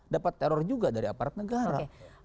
dapat teror juga dari aparat negara